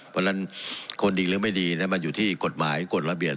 เพราะฉะนั้นคนดีและคนไม่ดีมันอยู่ที่กฎหมายกฎละเบียด